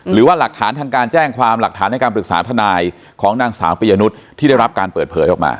หรือว่าหลักฐานทางการแจ้งความหลักฐานในการปรึกษาทนายของนางสาวปียนุษย์ที่ได้รับการเปิดเผยออกมา